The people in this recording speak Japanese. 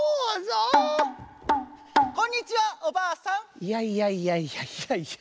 いやいやいやいやいやいや。